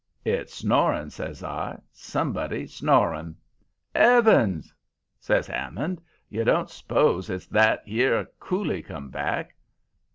"'It's snoring,' says I; 'somebody snoring.' "''Eavens!' says Hammond, 'you don't s'pose it's that 'ere Coolie come back?'